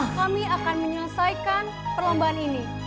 kami akan menyelesaikan perlombaan ini